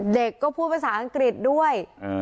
เด็กก็พูดภาษาอังกฤษด้วย